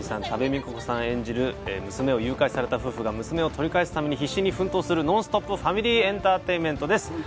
多部未華子さん演じる娘を誘拐された夫婦が娘を取り返すために必死に奮闘するノンストップファミリーエンターテインメントです